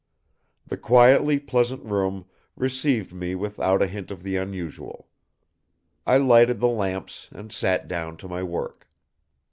The quietly pleasant room received me without a hint of the unusual. I lighted the lamps and sat down to my work.